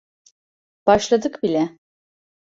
Başladık bile.